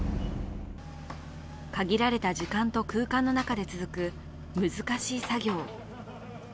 限られた時間と空間の中で続く難しい作業。